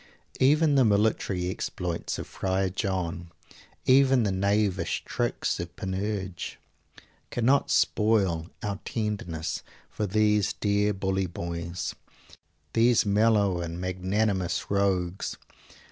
Even the military exploits of Friar John, even the knavish tricks of Panurge, cannot spoil our tenderness for these dear bully boys, these mellow and magnanimous rogues!